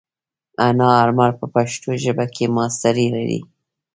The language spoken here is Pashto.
حنان آرمل په پښتو ژبه کې ماسټري لري.